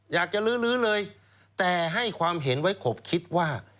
อยากจะลื้อลื้อเลยแต่ให้ความเห็นไว้ขบคิดว่า